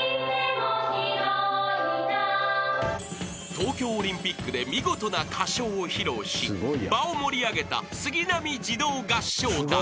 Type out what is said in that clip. ［東京オリンピックで見事な歌唱を披露し場を盛り上げた杉並児童合唱団］